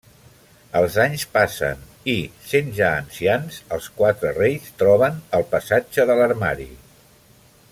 Els anys passen i, sent ja ancians, els quatre reis troben el passatge de l'armari.